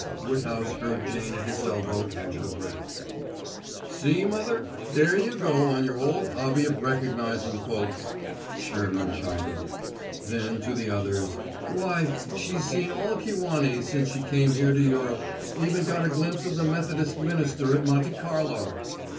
Woodhouse heard Jane at his elbow catch her breath. "See, mother, there you go on your old hobby of recognizin' folks," Sherman chided. Then, to the others: "Why, she's seen all Kewanee since she came here to Europe. Even got a glimpse of the Methodist minister at Monte Carlo."